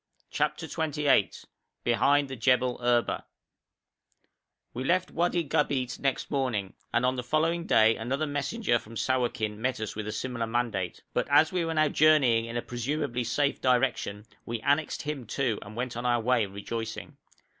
CHAPTER XXVIII BEHIND THE JEBEL ERBA We left Wadi Gabeit next morning, and on the following day another messenger from Sawakin met us with a similar mandate; but as we were now journeying in a presumably safe direction we annexed him too, and went on our way rejoicing.